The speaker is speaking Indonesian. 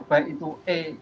baik itu e